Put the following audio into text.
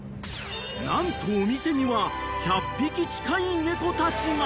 ［何とお店には１００匹近い猫たちが］